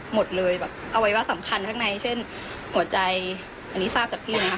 หมดเลยแบบอวัยวะสำคัญข้างในเช่นหัวใจอันนี้ทราบจากพี่นะคะ